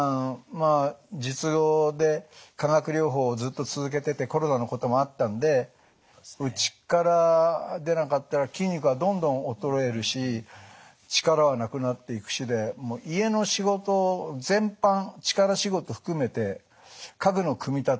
術後で化学療法をずっと続けててコロナのこともあったんでうちから出なかったら筋肉はどんどん衰えるし力はなくなっていくしで家の仕事全般力仕事含めて家具の組み立て。